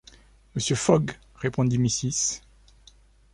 Monsieur Fogg, répondit Mrs.